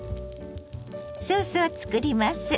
ソースを作ります。